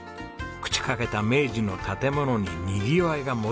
朽ちかけた明治の建物ににぎわいが戻り